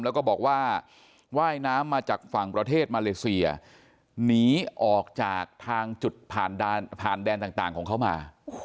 แล้วก็บอกว่าว่ายน้ำมาจากฝั่งประเทศมาเลเซียหนีออกจากทางจุดผ่านแดนต่างของเขามา